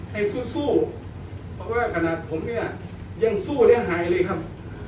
ให้สู้เพราะว่าขนาดผมเนี่ยยังสู้ได้หายเลยครับ